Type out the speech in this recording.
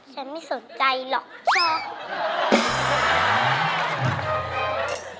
ฉันไม่สนใจหรอกชอบ